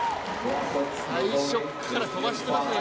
最初っから飛ばしてますね。